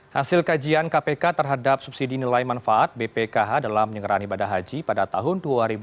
hasil kajian kpk terhadap subsidi nilai manfaat bpkh dalam penyelenggaraan ibadah haji pada tahun dua ribu dua puluh